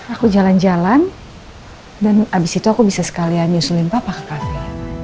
aku jalan jalan dan abis itu aku bisa sekalian nyusulin papa ke kafe